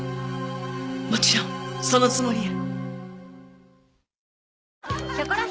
もちろんそのつもりや。